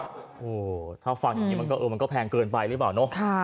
โอ้โหถ้าฟังอย่างนี้มันก็เออมันก็แพงเกินไปหรือเปล่าเนอะ